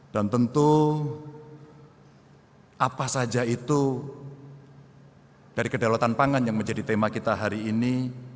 dan tentu apa saja itu dari kedaulatan pangan yang menjadi tema kita hari ini